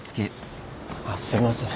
あっすいません。